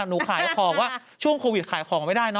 หนูขายของว่าช่วงโควิดขายของไม่ได้เนอ